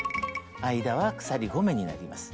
間は鎖５目になります。